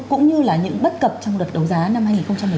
cũng như là những bất cập trong đợt đấu giá năm hai nghìn một mươi sáu ạ